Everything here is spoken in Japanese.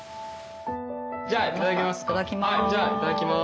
じゃあいただきます。